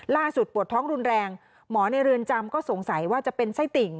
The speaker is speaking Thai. ปวดท้องรุนแรงหมอในเรือนจำก็สงสัยว่าจะเป็นไส้ติ่ง